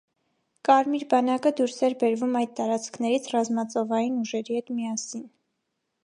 Կարմիր բանակը դուրս էր բերվում այդ տարածքներից ռազմածովային ուժերի հետ միասին։